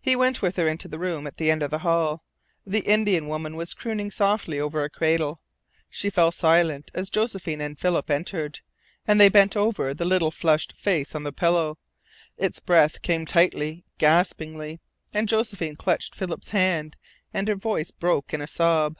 He went with her to the room at the end of the hall. The Indian woman was crooning softly over a cradle. She fell silent as Josephine and Philip entered, and they bent over the little flushed face on the pillow. Its breath came tightly, gaspingly, and Josephine clutched Philip's hand, and her voice broke in a sob.